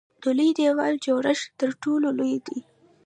د لوی دیوال جوړښت تر ټولو لوی دی.